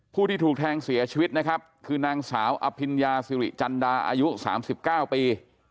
ผู้ที่ถูกแทงเสียชีวิตนะครับคือนางสาวอภิญญาสิริจันดาอายุ๓๙ปี